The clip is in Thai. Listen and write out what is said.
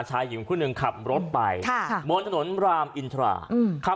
ชายหญิงคู่หนึ่งขับรถไปบนถนนรามอินทราอืม